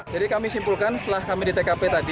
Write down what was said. jadi kami simpulkan setelah kami di tkp tadi